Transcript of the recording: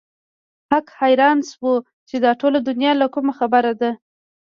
هک حيران شو چې دا ټوله دنيا له کومه خبره ده.